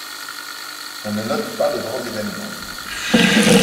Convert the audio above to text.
On ne note pas de grands événements.